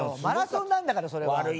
マラソンなんだからそれは。